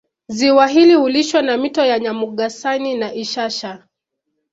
Ziwa hili hulishwa na mito ya Nyamugasani na Ishasha